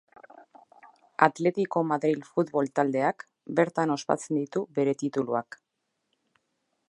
Atletiko Madril futbol taldeak, bertan ospatzen ditu bere tituluak.